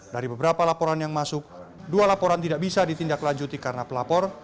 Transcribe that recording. dari beberapa laporan yang masuk dua laporan tidak bisa ditindaklanjuti karena pelapor